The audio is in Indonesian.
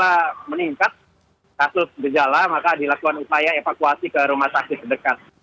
jika meningkat kasus gejala maka dilakukan upaya evakuasi ke rumah sakit terdekat